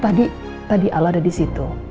tadi tadi al ada disitu